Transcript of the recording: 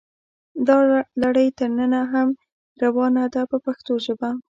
دا لړۍ تر ننه هم روانه ده په پښتو ژبه.